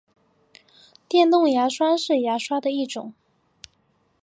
电动牙刷是牙刷的一种。